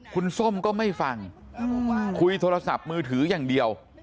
คุณส้มก็ไม่ฟังคุยโทรศัพท์มือถืออย่างเดียว